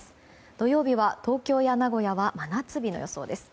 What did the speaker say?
土曜日は、東京や名古屋は真夏日の予想です。